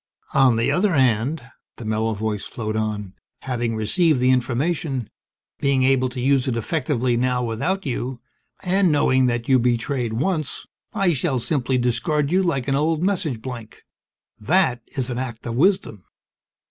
"On the other hand," the mellow voice flowed on, "having received the information, being able to use it effectively now without you, and knowing that you betrayed once I shall simply discard you like an old message blank. That is an act of wisdom.